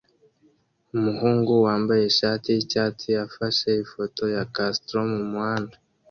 Umuhungu wambaye ishati yicyatsi afashe ifoto ya Castro mumuhanda